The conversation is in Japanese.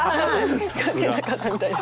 関係なかったみたいです。